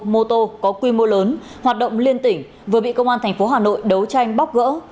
mô tô có quy mô lớn hoạt động liên tỉnh vừa bị công an thành phố hà nội đấu tranh bóc gỡ